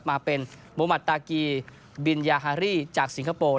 มาเป็นมุมัตตากีบินยาฮารี่จากสิงคโปร์